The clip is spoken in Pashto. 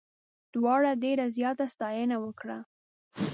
دواړو ډېره زیاته ستاینه وکړه.